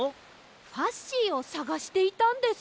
ファッシーをさがしていたんです。